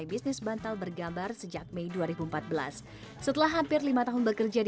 bantal karakter yang mereka jual laku keras